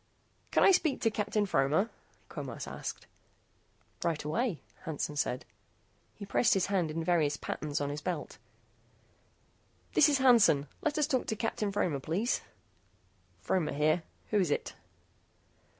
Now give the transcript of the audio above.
"Can I speak to Captain Fromer?" Quemos asked. "Right away," Hansen said. He pressed his hand in various patterns on his belt. "This is Hansen. Let us talk to Captain Fromer, please." "Fromer here. Who is it?"